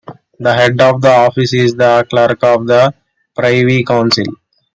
The head of the office is the Clerk of the Privy Council.